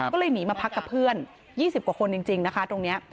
ก็เลยหนีมาพักกับเพื่อน๒๐กว่าคนจริงนะคะตรงนี้